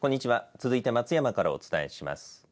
続いて松山からお伝えします。